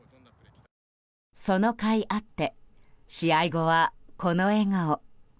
そのかいあって試合後はこの笑顔。